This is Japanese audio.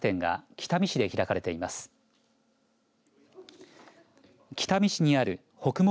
北見市にある北網